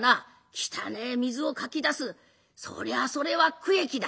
汚え水をかき出すそりゃあそれは苦役だ。